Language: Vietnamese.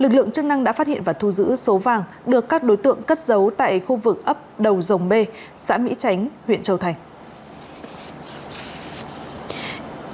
lực lượng chức năng đã phát hiện và thu giữ số vàng được các đối tượng cất giấu tại khu vực ấp đầu dòng b xã mỹ chánh huyện châu thành